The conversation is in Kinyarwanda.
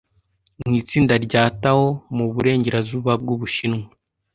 mu itsinda rya tao mu burengerazuba bw’u bushinwa